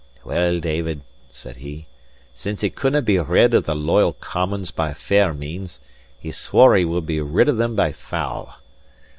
"Well, David," said he, "since he couldnae be rid of the loyal commons by fair means, he swore he would be rid of them by foul.